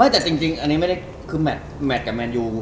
แต่จริงอันนี้ไม่ได้คือแมทกับแมนยู